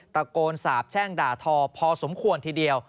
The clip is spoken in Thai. ตะโกนสาบแช่งด่าทอพอสมควรทีเดียว